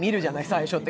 最初って。